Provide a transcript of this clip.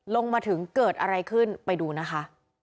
ลงมาถึงเกิดอะไรขึ้นไปดูนะคะ